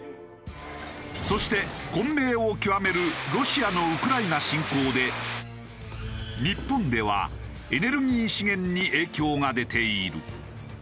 そして混迷を極めるロシアのウクライナ侵攻で日本ではエネルギー資源に影響が出ている。